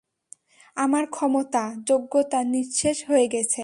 আমার ক্ষমতা, যোগ্যতা নিঃশেষ হয়ে গেছে।